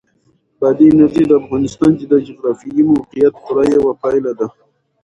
بادي انرژي د افغانستان د جغرافیایي موقیعت پوره یوه پایله ده.